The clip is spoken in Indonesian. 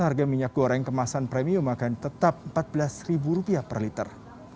harga minyak goreng kemasan premium akan tetap rp empat belas per liter